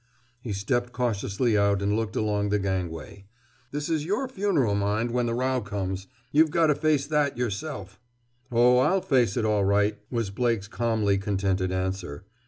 He stepped cautiously out and looked along the gangway. "This is your funeral, mind, when the row comes. You've got to face that, yourself!" "Oh, I'll face it, all right!" was Blake's calmly contented answer.